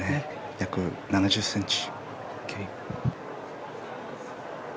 約７０ｃｍ。